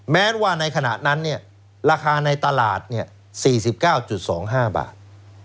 แม้ว่าในขณะนั้นราคาในตลาด๔๙๒๕บาท